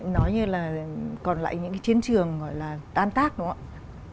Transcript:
nói như là còn lại những cái chiến trường gọi là tan tác đúng không ạ